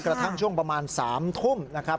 กระทั่งช่วงประมาณ๓ทุ่มนะครับ